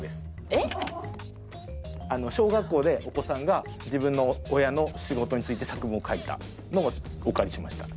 えっ？小学校でお子さんが自分の親の仕事について作文を書いたのをお借りしました。